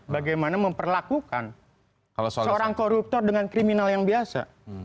bagaimana memperlakukan seorang koruptor dengan kriminal yang biasa